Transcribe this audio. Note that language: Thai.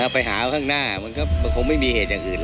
ไปหาข้างหน้ามันก็คงไม่มีเหตุอย่างอื่น